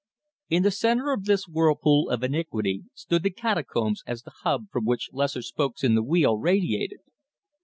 In the center of this whirlpool of iniquity stood the Catacombs as the hub from which lesser spokes in the wheel radiated.